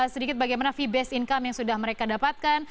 sedikit bagaimana fee based income yang sudah mereka dapatkan